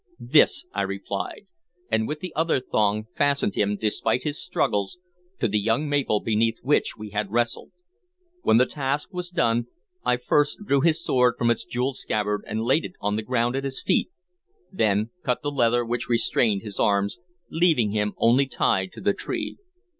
"This," I replied, and with the other thong fastened him, despite his struggles, to the young maple beneath which we had wrestled. When the task was done, I first drew his sword from its jeweled scabbard and laid it on the ground at his feet, and then cut the leather which restrained his arms, leaving him only tied to the tree.